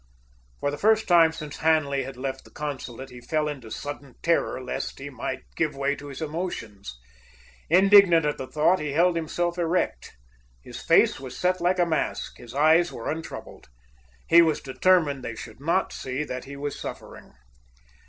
For the first time since Hanley had left the consulate, he fell into sudden terror lest he might give way to his emotions. Indignant at the thought, he held himself erect. His face was set like a mask, his eyes were untroubled. He was determined they should not see that he was suffering.